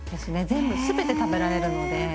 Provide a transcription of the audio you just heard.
全部全て食べられるので。